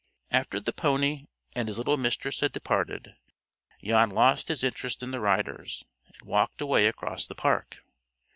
After the pony and his little mistress had departed, Jan lost his interest in the riders, and walked away across the park.